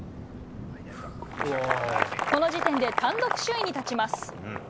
この時点で単独首位に立ちます。